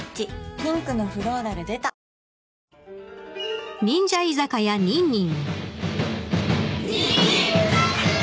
ピンクのフローラル出たニンニン！